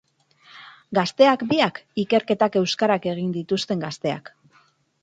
Gazteak biak, ikerketak euskarak egin dituzten gazteak.